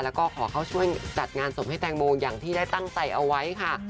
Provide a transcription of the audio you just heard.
แล้วก็ขอเข้าช่วยจัดงานศพให้แตงโมอย่างที่ได้ตั้งใจเอาไว้ค่ะ